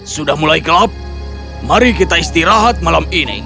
sudah mulai gelap mari kita istirahat malam ini